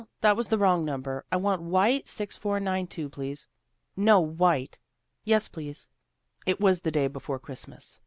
That was the wrong number. I want White 6492, please. No, White. Yes, please." It was the day before Christmas.